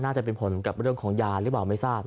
จะเป็นผลกับเรื่องของยาหรือเปล่าไม่ทราบ